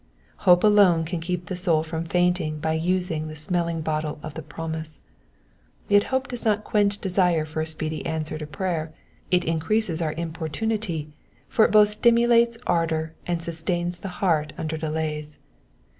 Hope alone can keep the soul from fainting by using the smelling bottle of the promise. Yet hope does not quench desire for a speedy answ :r to prayer ; it increases our importunity, for it both stimulates ardour and sustains the heart under delaya.